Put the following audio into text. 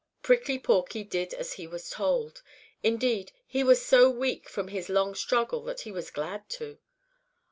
Prickly Porky did as he was told. Indeed, he was so weak from his long struggle that he was glad to.